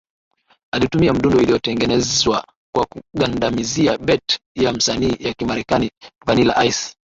Alitumia mdundo iliyotengenezwa kwa kugandamizia beat ya msanii wa Kimarekani Vanilla Ice